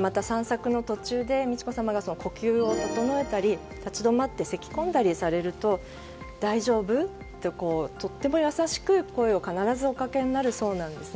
また散策の途中で美智子さまが呼吸を整えたり立ち止まってせき込んだりされると大丈夫？と、とても優しく声を必ずおかけになるそうです。